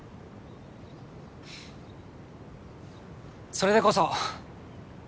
それでこそ。